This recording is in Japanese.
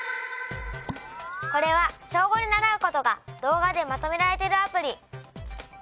これは小５で習うことが動画でまとめられているアプリ。